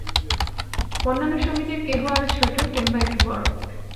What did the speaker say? অন্যান্য সঙ্গীদের কেহ আরও ছোট, কেহ বা একটু বড়।